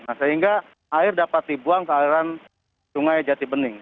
nah sehingga air dapat dibuang ke aliran sungai jatibening